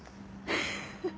フフフ。